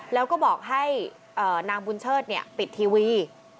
แล้วก็บอกให้นางบุญเชิดปิดทีวี